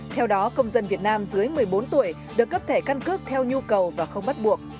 theo đó công dân việt nam dưới một mươi bốn tuổi được cấp thẻ căn cước theo nhu cầu và không bắt buộc